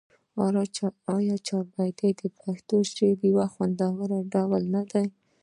آیا چهاربیتې د پښتو شعر یو خوندور ډول نه دی؟